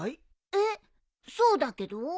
えっそうだけど？